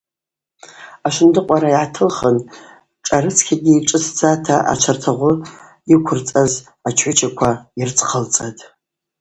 Ашвындыкъвара йгӏатылхын, шӏарыцкьага шӏыцдзакӏгьи, ачвартагъвы йыквырцӏаз ачгӏвычаква йрыдзхъалцӏатӏ.